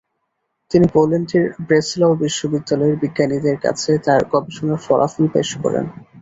তিনি পোল্যান্ডের ব্রেসলাউ বিশ্ববিদ্যালয়ের বিজ্ঞানীদের কাছে তার গবেষণার ফলাফল পেশ করেন।